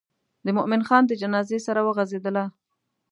د مومن خان د جنازې سره وغزېدله.